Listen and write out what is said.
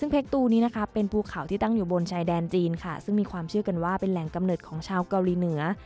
เพคตู้นี้เป็นภูเข่าที่ตั้งอยู่บนชายแดนจีนซึ่งมีความเชื่อกันเป็นแหลนกำเนิดของชาวก๑๙๘๕กลเกาหลีเหนือ